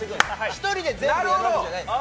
１人で全部やるわけじゃないです。